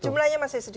jumlahnya masih sedikit